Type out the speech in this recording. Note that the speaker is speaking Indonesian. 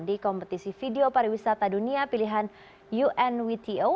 di kompetisi video pariwisata dunia pilihan unwto